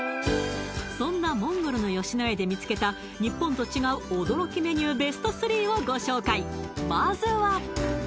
そんなモンゴルの野家で見つけた日本と違う驚きメニューＢＥＳＴ３をご紹介